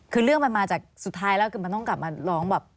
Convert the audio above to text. คือเรื่องมันมาจากสุดท้ายแล้วคือมันต้องกลับมาร้องแบบ